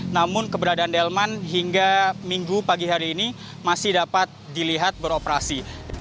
namun keberadaan delman hingga minggu pagi hari ini masih dapat dilihat beroperasi